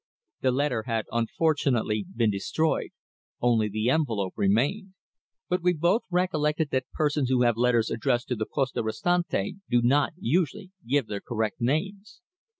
The letter had unfortunately been destroyed; only the envelope remained. But we both recollected that persons who have letters addressed to the Poste Restante do not usually give their correct names.